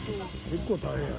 結構大変や。